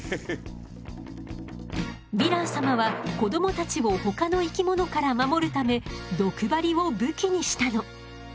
ヴィラン様は子どもたちをほかの生き物から守るため毒針を武器にしたの。